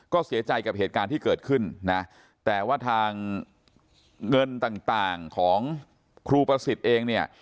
ก็เสียใจกับเหตุการณ์ที่เกิดขึ้นนะแต่ว่าทางเงินต่างของครูประสิทธิ์เองเนี่ย